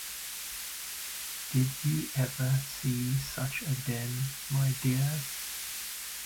'Did you ever see such a den, my dear?